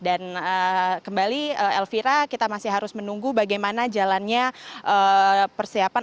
dan kembali elvira kita masih harus menunggu bagaimana jalannya persiapan